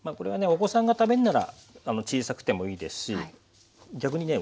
お子さんが食べるんなら小さくてもいいですし逆にね